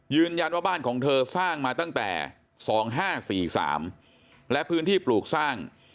ยืนยันว่าบ้านของเธอสร้างมาตั้งแต่๒๕๔๓และพื้นที่ปลูกสร้าง